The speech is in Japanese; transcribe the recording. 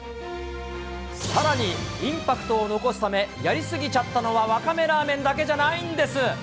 さらに、インパクトを残すため、やりすぎちゃったのは、わかめラーメンだけじゃないんです。